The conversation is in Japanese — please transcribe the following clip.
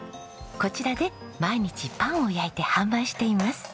こちらで毎日パンを焼いて販売しています。